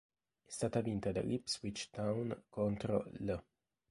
È stata vinta dall'Ipswich Town contro l'.